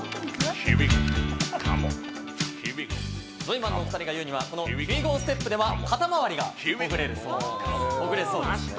ヒウィジョイマンの２人が言うには、このヒウィゴーステップでは、肩まわりがほぐれるそうです。